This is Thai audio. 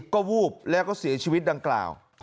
ก็วูบแล้วก็เสียชีวิตดังกล่าว